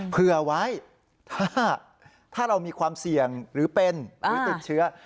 เผื่อไว้ถ้าเรามีความเสี่ยงหรือเป็นหรือติดเชื้อ